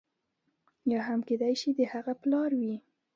یا هم کېدای شي د هغه پلار وي.